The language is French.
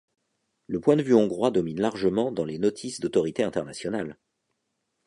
Le point de vue hongrois domine largement dans les notices d'autorité internationales.